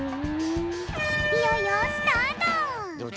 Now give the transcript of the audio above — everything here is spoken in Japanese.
いよいよスタート！